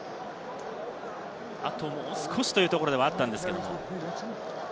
あともう少しというところではあったんですけれど。